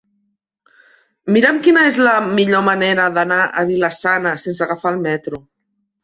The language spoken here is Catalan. Mira'm quina és la millor manera d'anar a Vila-sana sense agafar el metro.